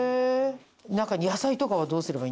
野菜とかはどうすればいいんですか？